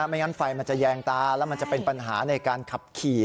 ไม่งั้นไฟมันจะแยงตาแล้วมันจะเป็นปัญหาในการขับขี่